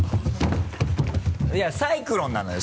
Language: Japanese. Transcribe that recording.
いやサイクロンなのよ